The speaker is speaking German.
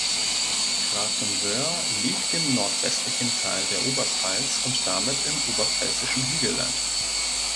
Grafenwöhr liegt im nordwestlichen Teil der Oberpfalz und damit im Oberpfälzischen Hügelland.